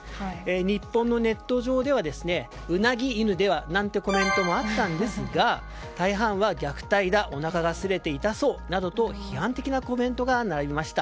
日本のネット上ではウナギ犬ではなんていうコメントもあったんですが大半は、虐待だおなかがすれて痛そうなどと批判的なコメントが並びました。